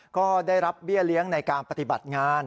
ก็ได้รับเบี้ยเลี้ยงในการปฏิบัติงาน